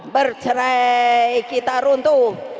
bercerai kita runtuh